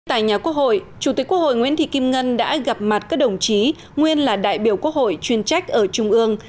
tại nhà quốc hội chủ tịch quốc hội nguyễn thị kim ngân đã gặp mặt các đồng chí nguyên là đại biểu quốc hội chuyên trách ở trung ương